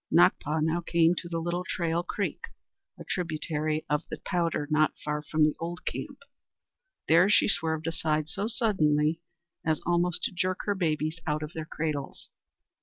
Nakpa now came to the Little Trail creek, a tributary of the Powder, not far from the old camp. There she swerved aside so suddenly as almost to jerk her babies out of their cradles.